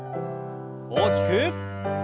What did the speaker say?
大きく。